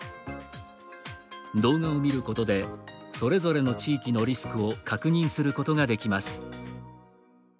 動画を見ることでそれぞれの地域のリスクを確認することができます。